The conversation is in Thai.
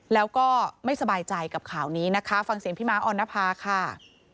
แล้วก็ไม่สบายใจกับข่าวนี้นะคะฟังเสียงพี่ม้าออนภาค่ะ